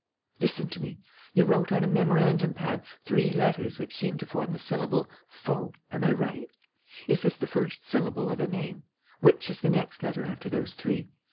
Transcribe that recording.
"Listen to me: you wrote on a memorandum pad three letters which seem to form the syllable Fau.... Am I right? Is this the first syllable of a name? Which is the next letter after those three?